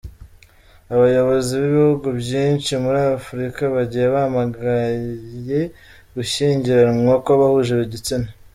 Abayobozi b’ibihugu byinshi muri Afrika, bagiye bamagaye gushyingiranwa kw’abahuje igitsina.